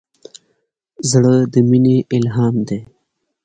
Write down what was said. زړه د مینې الهام دی.